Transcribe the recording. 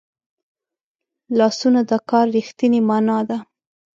لاسونه د کار رښتینې مانا ده